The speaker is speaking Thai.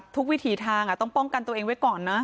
วิถีทางต้องป้องกันตัวเองไว้ก่อนนะ